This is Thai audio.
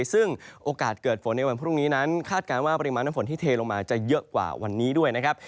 ซึ่งโอกาสเกิดฝนในวันพรุ่งนี้นั้นคาดการณ์ว่าปริมาณน้ำฝนที่เทลงมาจะเยอะกว่าวันนี้ด้วยนะครับ